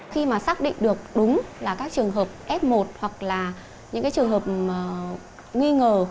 khi mà xác định được đúng là các trường hợp f một hoặc là những trường hợp nghi ngờ